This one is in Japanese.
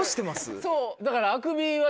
だから。